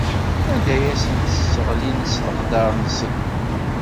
Anda ay asen-tesseɣlim s leqder-nsen?